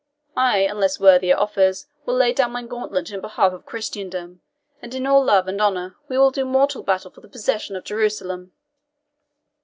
I, unless worthier offers, will lay down my gauntlet in behalf of Christendom, and in all love and honour we will do mortal battle for the possession of Jerusalem."